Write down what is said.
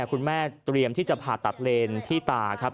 เตรียมที่จะผ่าตัดเลนที่ตาครับ